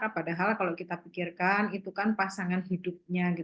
padahal kalau kita pikirkan itu kan pasangan hidupnya